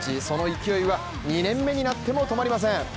その勢いは２年目になっても止まりません。